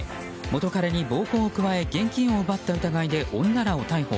元彼に暴行を加え現金を奪った疑いで女らを逮捕。